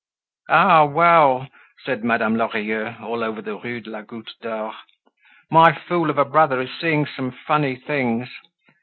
"Ah, well!" said Madame Lorilleux all over the Rue de la Goutte d'Or, "my fool of a brother is seeing some funny things!